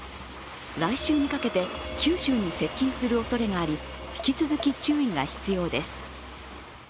来週にかけて九州に接近するおそれがあり引き続き注意が必要です。